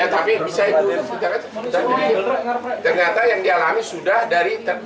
ternyata yang dialami sudah dari